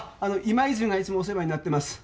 今泉がいつもお世話になってます。